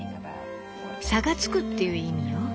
「差がつく」っていう意味よ。